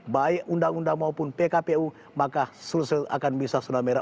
baik undang undang maupun pkpu maka akan bisa zona merah